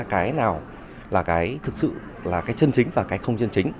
cái nào là cái chân chính và cái không chân chính